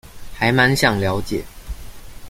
還滿想了解